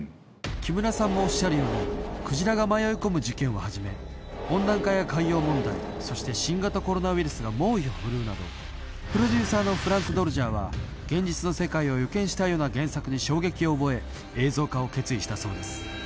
木村さんもおっしゃるようにクジラが迷い込む事件をはじめ温暖化や海洋問題そして新型コロナウイルスが猛威を振るうなどプロデューサーのフランク・ドルジャーはに衝撃を覚え映像化を決意したそうです